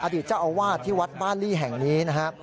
เจ้าอาวาสที่วัดบ้านลี่แห่งนี้นะครับ